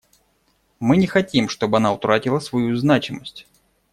Мы не хотим, чтобы она утратила свою значимость.